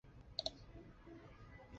之后投入抗日战争。